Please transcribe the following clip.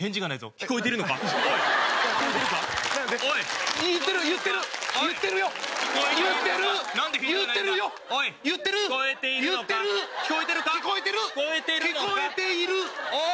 聞こえている！